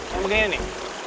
yang begini nih